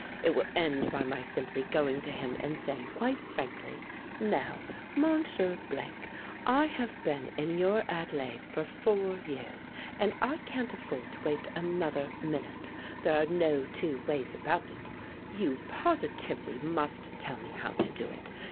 It will end by my simply going to him and saying, quite frankly: 'Now, Monsieur , I have been in your atelier for four years, and I can't afford to waste another minute. There are no two ways about it. You positively must tell me how to do it.